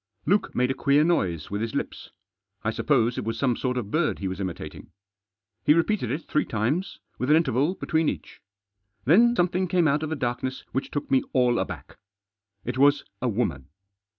Luke made a queer noise with his lips. I suppose it was some sort of bird he was imitating. He repeated it three times; with an interval between each. Then something came out of the darkness which took me all aback. It was a woman.